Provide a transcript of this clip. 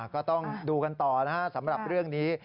ก็ต้องดูกันต่อนะครับสำหรับเรื่องนี้